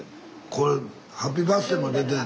これハッピーバースデーも出て。